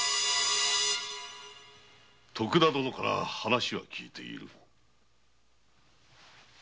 徳田殿から話は聞いている。